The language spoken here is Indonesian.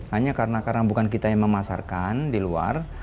hanya karena bukan kita yang memasarkan di luar